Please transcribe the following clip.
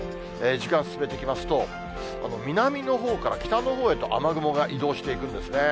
時間進めてみますと、南のほうから北のほうへと雨雲が移動していくんですね。